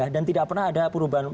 dan tidak pernah ada perubahan